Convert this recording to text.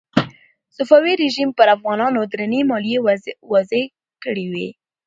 صفوي رژیم پر افغانانو درنې مالیې وضع کړې وې.